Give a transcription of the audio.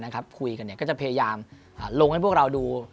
คุยกันก็จะพยายามลงให้พวกเราดู